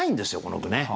この句ね。